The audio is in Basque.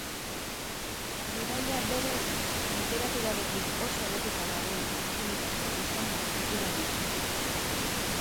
Bidaia berez literaturarekin oso lotuta dagoen aktibitatea izan da betidanik.